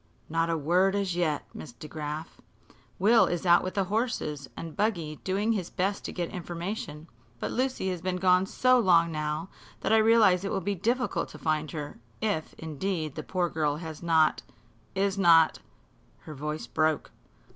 "Not a word as yet, Miss DeGraf, Will is out with the horse and buggy doing his best to get information. But Lucy has been gone so long now that I realize it will be difficult to find her, if, indeed, the poor girl has not is not " Her voice broke.